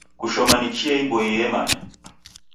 Kushoma ni chia iboiye yemanya.